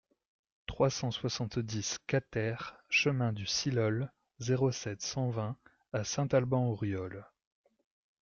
trois cent soixante-dix QUATER chemin du Silhol, zéro sept, cent vingt à Saint-Alban-Auriolles